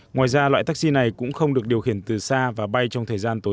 ngoài ra loại taxi này cũng không được điều khiển từ xa và bay trong thời gian tối